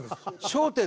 『笑点』